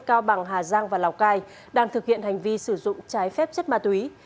cao bằng hà giang và lào cai đang thực hiện hành vi sử dụng trái phép chất ma túy